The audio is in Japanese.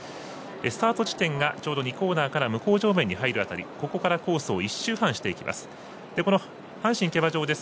スタート地点がちょうど２コーナーから向正面に入る辺りここからコースを１周半していきます。